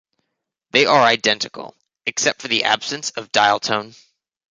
They are identical, except for the absence of dial tone.